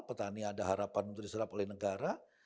petani ada harapan untuk diserap oleh negara